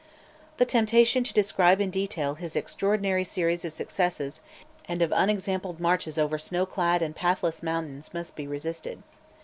The temptation to describe in detail his extraordinary series of successes and of unexampled marches over snow clad and pathless mountains must be resisted.